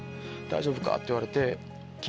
「大丈夫か？」って言われて。